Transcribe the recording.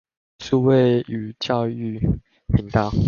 數位與教育頻道